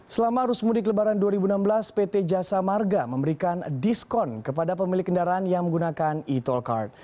selama rusmudik lebaran dua ribu enam belas pt jasa marga memberikan diskon kepada pemilik kendaraan yang menggunakan e tolcard